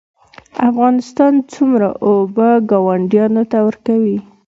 افغانستان څومره اوبه ګاونډیانو ته ورکوي؟